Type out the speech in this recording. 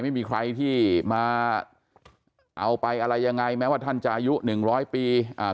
ไม่มีใครที่มาเอาไปอะไรยังไงแม้ว่าท่านจะอายุหนึ่งร้อยปีอ่า